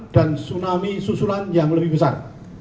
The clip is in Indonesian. dan tsunami susulan yang lebih besar